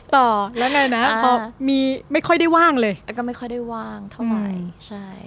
ต่อแล้วไงนะพอมีไม่ค่อยได้ว่างเลยแล้วก็ไม่ค่อยได้ว่างเท่าไหร่ใช่